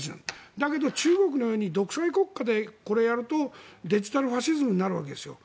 だけど、中国のように独裁国家でこれをやるとデジタルファシズムになるわけですよ。